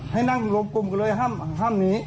ให้นั่งรวมกลุ่มกันเลยห้ามหนี